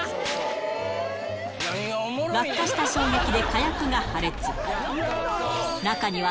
落下した衝撃で火薬が破裂。